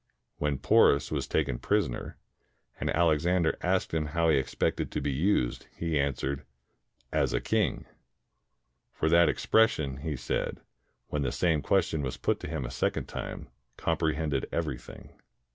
When Porus was taken prisoner, and Alexander asked him how he ex pected to be used, he answered, "As a king." For that expression, he said, when the same question was put to him a second time, comprehended everything.